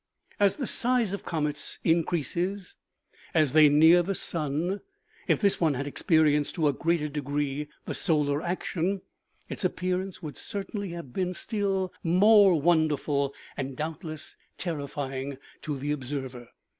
As the size of comets increases as they near the sun, if this one had experienced to a greater de gree the solar action, its appearance would certainly have been still more wonderful, and, doubtless, terrify ing to the observer.